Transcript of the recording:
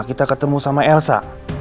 kita ketemu sama elsa